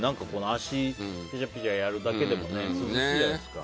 足、ぴちゃぴちゃやるだけでも涼しいじゃないですか。